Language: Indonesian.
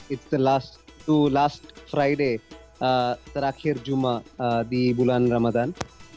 itu hari terakhir juma di bulan ramadhan